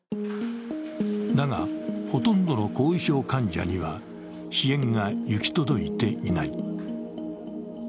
だが、ほとんどの後遺症患者には支援がいき届いていない。